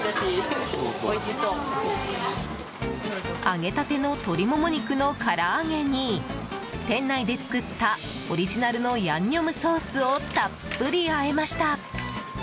揚げ立ての鶏モモ肉のから揚げに店内で作ったオリジナルのヤンニョムソースをたっぷりあえました。